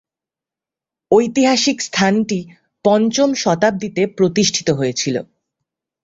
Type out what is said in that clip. ঐতিহাসিক স্থানটি পঞ্চম শতাব্দীতে প্রতিষ্ঠিত হয়েছিল।